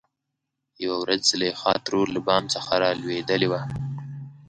يوه ورځ زليخا ترور له بام څخه رالوېدلې وه .